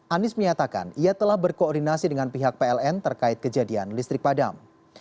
anies menyatakan ia telah berkoordinasi dengan pihak pln terkait kejadian listrik padam